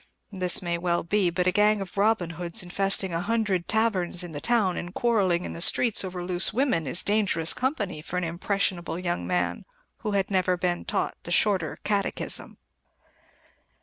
This may well be, but a gang of Robin Hoods, infesting a hundred taverns in the town and quarrelling in the streets over loose women, is dangerous company for an impressionable young man who had never been taught the Shorter Catechism.